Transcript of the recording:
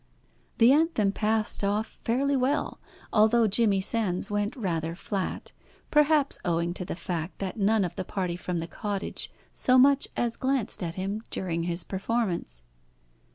The anthem passed off fairly well, although Jimmy Sands went rather flat, perhaps owing to the fact that none of the party from the cottage so much as glanced at him during his performance.